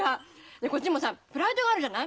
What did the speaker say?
でこっちもさプライドがあるじゃない？